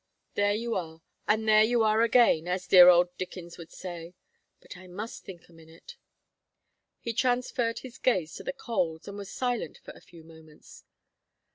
There you are, and there you are again, as dear old Dickens would say. But I must think a minute." He transferred his gaze to the coals, and was silent for a few moments.